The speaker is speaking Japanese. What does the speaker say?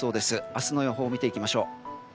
明日の予報を見ていきましょう。